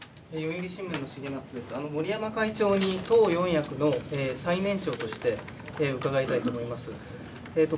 森山会長に党四役の最年長として伺いたいと思います。